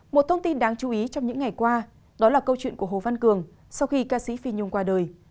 một thông tin đáng chú ý trong những ngày qua đó là câu chuyện của hồ văn cường sau khi ca sĩ phi nhung qua đời